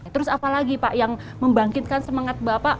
terus apa lagi pak yang membangkitkan semangat bapak